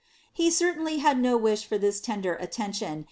Ide certainly had no wi:ih for this tender atieniiim.